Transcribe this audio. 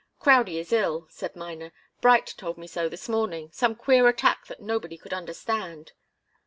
"Crowdie is ill," said Miner. "Bright told me so this morning some queer attack that nobody could understand."